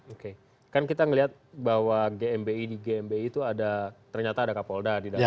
oke kan kita melihat bahwa gmbi di gmbi itu ada ternyata ada kapolda di dalamnya